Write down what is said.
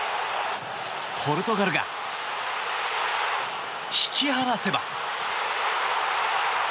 ポルトガルが引き離せば。